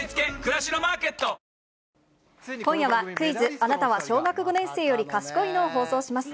あなたは小学５年生より賢いの？を放送します。